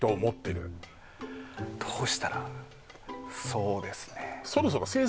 そうですね